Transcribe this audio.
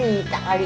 enak kan kan